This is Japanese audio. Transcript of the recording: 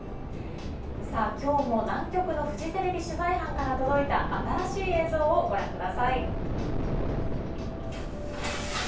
さあ今日も南極のフジテレビ取材班から届いた新しい映像をご覧ください。